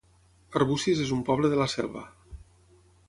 Arbúcies es un poble de la Selva